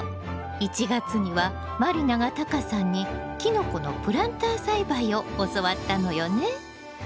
１月には満里奈がタカさんにキノコのプランター栽培を教わったのよね！